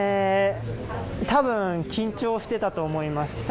多分緊張してたと思います。